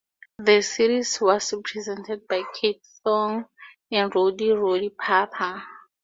The series was presented by Kate Thornton and Rowdy Roddy Piper.